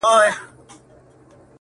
رخصتېږم تا پر خداى باندي سپارمه؛